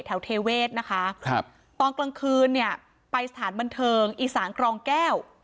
เทเวศนะคะครับตอนกลางคืนเนี่ยไปสถานบันเทิงอีสานกรองแก้ว